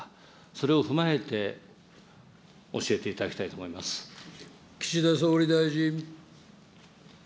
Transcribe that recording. それを踏まえて教えていただきた岸田総理大臣。